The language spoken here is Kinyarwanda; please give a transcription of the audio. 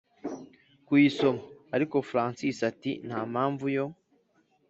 kuyisoma ariko francis ati”ntampamvu yo